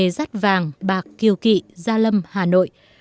tết vàng bạc kiều kỵ gia lâm hà nội